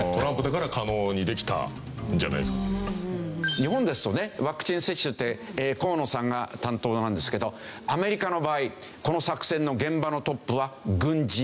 日本ですとねワクチン接種って河野さんが担当なんですけどアメリカの場合この作戦の現場のトップは軍人なんです。